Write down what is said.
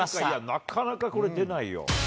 なかなかこれ、出ないよ。